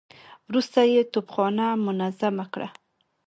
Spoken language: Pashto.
وروسته يې توپخانه منظمه کړه.